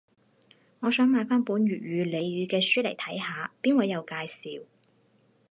我想買返本粵語俚語嘅書嚟睇下，邊位有介紹